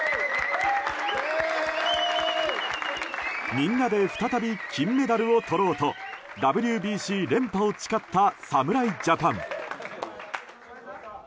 みんなで再び金メダルをとろうとＷＢＣ連覇を誓った侍ジャパン。